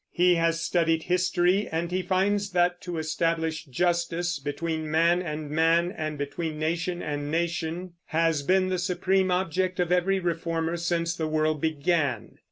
He has studied history, and he finds that to establish justice, between man and man and between nation and nation, has been the supreme object of every reformer since the world began.